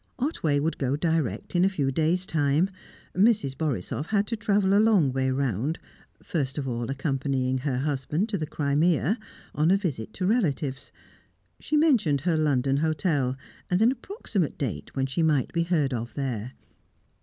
Otway would go direct in a few days' time; Mrs. Borisoff had to travel a long way round, first of all accompanying her husband to the Crimea, on a visit to relatives. She mentioned her London hotel, and an approximate date when she might be heard of there.